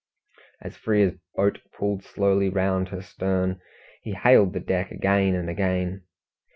As Frere's boat pulled slowly round her stern, he hailed the deck again and again.